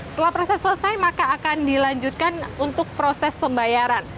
setelah proses selesai maka akan dilanjutkan untuk proses pembayaran